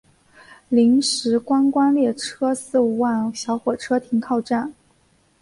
临时观光列车四万小火车停靠站。